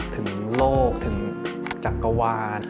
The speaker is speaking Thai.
ถึงโลกถึงจักรวาล